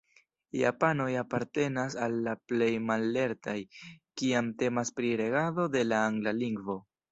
Japanoj apartenas al la plej mallertaj, kiam temas pri regado de la angla lingvo.